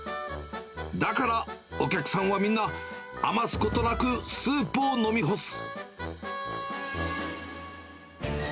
だからお客さんはみんな、余すことなくスープを飲み干す。